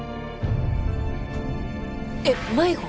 えっ迷子？